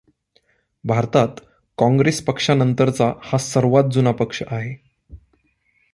भारतात काँग्रेस पक्षानंतरचा हा सर्वात जुना पक्ष आहे.